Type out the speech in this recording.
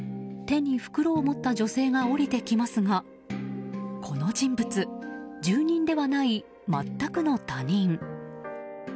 手に袋を持った女性が降りてきますがこの人物、住人ではない全くの他人。